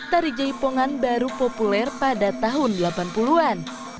tari jaipongan baru populer pada tahun delapan puluh an